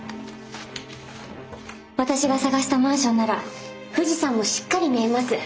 私が探したマンションなら富士山もしっかり見えます。